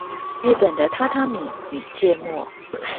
日本的榻榻米與芥末